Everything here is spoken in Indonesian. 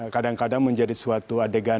kadang kadang menjadi suatu adegan